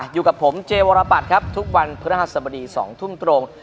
อยู่กับผมเจวรปัตย์ครับทุกวันพฤหัสบดี๒ทุ่มตรง